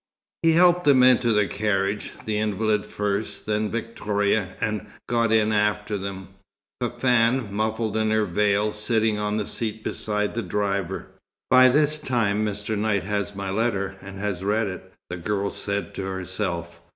He helped them into the carriage, the invalid first, then Victoria, and got in after them; Fafann, muffled in her veil, sitting on the seat beside the driver. "By this time Mr. Knight has my letter, and has read it," the girl said to herself.